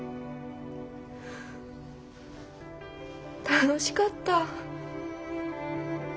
楽しかった。